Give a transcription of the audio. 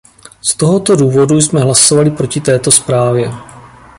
Z tohoto důvodu jsme hlasovali proti této zprávě.